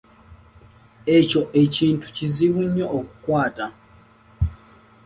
Ekyo ekintu kizibu nnyo okukwata.